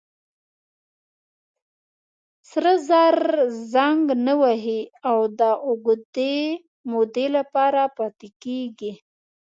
سره زر زنګ نه وهي او د اوږدې مودې لپاره پاتې کېږي.